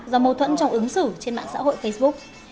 do mâu thuẫn trong ứng xử trên mạng xã hội facebook